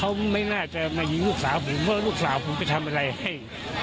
เขาไม่น่าจะมายิงลูกสาวผมว่าลูกสาวผมไปทำอะไรให้